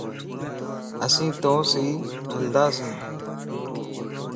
اسين تو سين ھلنداسين